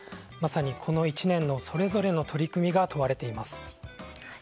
まさに、この１年のそれぞれの取り組みが問われています。